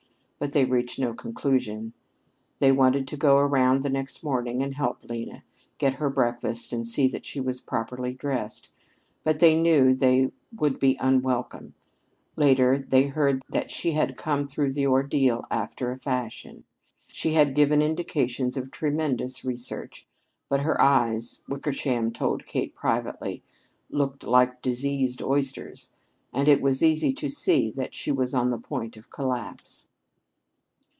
But they reached no conclusion. They wanted to go around the next morning and help Lena, get her breakfast and see that she was properly dressed, but they knew they would be unwelcome. Later they heard that she had come through the ordeal after a fashion. She had given indications of tremendous research. But her eyes, Wickersham told Kate privately, looked like diseased oysters, and it was easy to see that she was on the point of collapse.